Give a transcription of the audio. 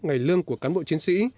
ngày lương của cán bộ chiến sĩ